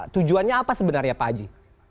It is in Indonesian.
tujuannya apa sebenarnya pak haji